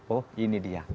oh ini dia